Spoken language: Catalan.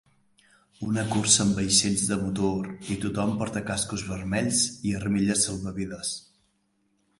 Una cursa amb vaixells de motor i tothom porta cascos vermells i armilles salvavides.